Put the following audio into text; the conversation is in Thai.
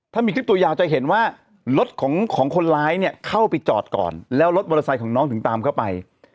ถ้ามีคลิปตัวยาวจะเห็นว่ารถของคนร้ายเนี่ยเข้าไปจอดก่อนแล้วรถมอเตอร์ไซค์ของน้องถึงตามเข้าไป